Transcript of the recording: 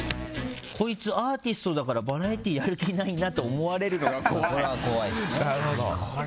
こいつアーティストだからバラエティーやる気ないなと思われるのが怖い。